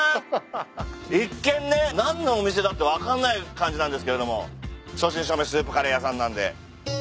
一見ね何のお店だって分かんない感じなんですけれども正真正銘スープカレー屋さんなんで。